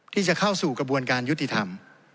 ที่จะเข้าสู่กระบวนการยุติธรรม